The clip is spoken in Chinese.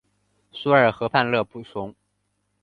索尔河畔勒布雄。